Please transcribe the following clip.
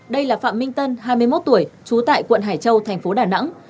đây là phạm minh tân hai mươi một tuổi trú tại quận hải châu thành phố đà nẵng